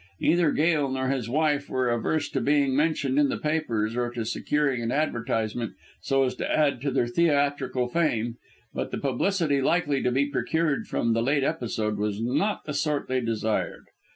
Neither Gail nor his wife were averse to being mentioned in the papers or to securing an advertisement so as to add to their theatrical fame, but the publicity likely to be procured from the late episode was not the sort they desired.